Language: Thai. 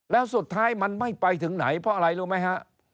แล้วสุดท้ายมันไม่ไปถึงไหนเพราะอะไรรู้ไหมฮะ